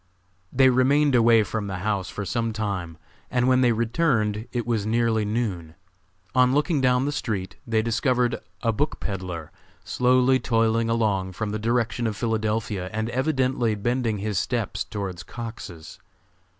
They remained away from the house for some time, and when they returned it was nearly noon. On looking down the street they discovered a book peddler slowly toiling along from the direction of Philadelphia and evidently bending his steps towards Cox's.